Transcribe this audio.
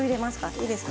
いいですか？